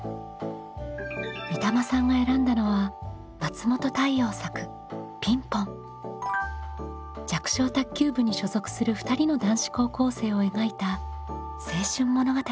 みたまさんが選んだのは弱小卓球部に所属する２人の男子高校生を描いた青春物語です。